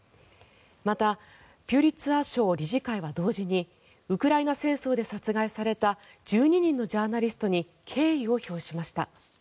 またピュリツァー賞理事会は同時にウクライナ戦争で殺害された１２人のジャーナリストに敬意を表しました。